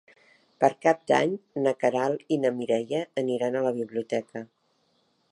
Per Cap d'Any na Queralt i na Mireia aniran a la biblioteca.